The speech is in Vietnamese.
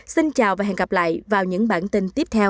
xin chào và hẹn gặp lại vào những bản tin tiếp theo